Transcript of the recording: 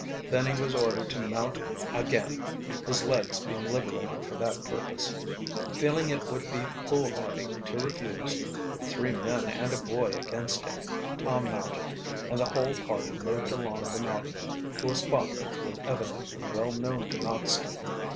Then he was ordered to mount again, his legs being liberated for that purpose. Feeling it would be foolhardy to refuse, with three men and a boy against him, Tom mounted, and the whole party moved along the mountain to a spot which was evidently well known to Noxton.